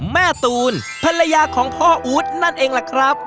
แม่ตูนภรรยาของพ่ออู๊ดนั่นเองล่ะครับ